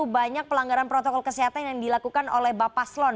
banyak pelanggaran protokol kesehatan yang dilakukan oleh bapak slon